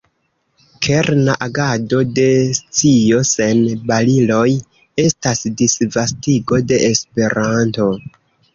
Kerna agado de “Scio Sen Bariloj” estas disvastigo de Esperanto.